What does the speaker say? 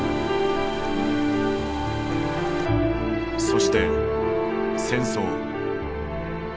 そして戦争。